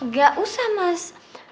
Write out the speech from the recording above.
gak usah mas